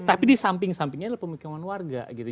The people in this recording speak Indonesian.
tapi di samping sampingnya adalah pemukiman warga gitu